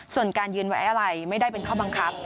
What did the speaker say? ส่วนการยืนไว้อะไรไม่ได้เป็นข้อบังคับ